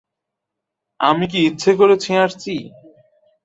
আমি কি ইচ্ছে করে ছিাঁড়চি?